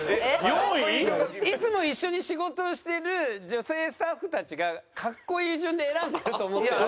４位？いつも一緒に仕事してる女性スタッフたちがかっこいい順で選んでると思ってる？